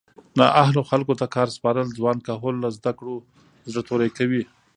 نااهلو خلکو ته کار سپارل ځوان کهول له زده کړو زړه توری کوي